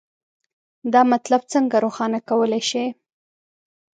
دا مطلب څنګه روښانه کولی شئ؟